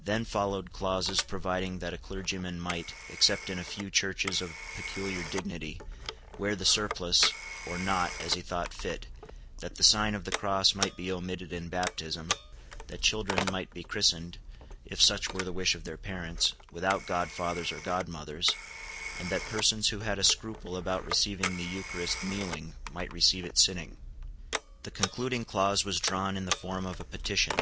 Then followed clauses providing that a clergyman might, except in a few churches of peculiar dignity, wear the surplice or not as he thought fit, that the sign of the cross might be omitted in baptism, that children might be christened, if such were the wish of their parents, without godfathers or godmothers, and that persons who had a scruple about receiving the Eucharist kneeling might receive it sitting. The concluding clause was drawn in the form of a petition.